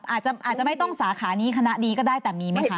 อาจจะไม่ต้องสาขานี้คณะนี้ก็ได้แต่มีไหมคะ